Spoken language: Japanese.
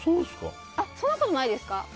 そんなことないですか？